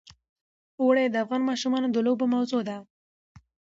اوړي د افغان ماشومانو د لوبو موضوع ده.